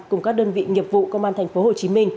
cùng các đơn vị nghiệp vụ công an tp hcm